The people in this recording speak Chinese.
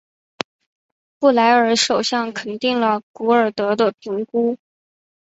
布莱尔首相肯定了古尔德的评估。